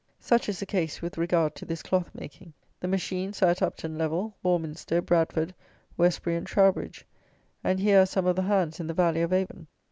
Such is the case with regard to this cloth making. The machines are at Upton Level, Warminster, Bradford, Westbury, and Trowbridge, and here are some of the hands in the Valley of Avon.